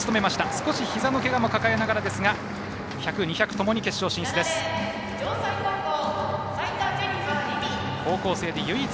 少しひざのけがも抱えながらですが１００、２００ともに決勝進出青山華依。